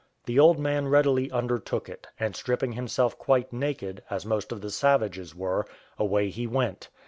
The old man readily undertook it; and stripping himself quite naked, as most of the savages were, away he went.